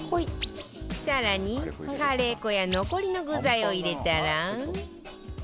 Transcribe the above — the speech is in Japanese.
更にカレー粉や残りの具材を入れたら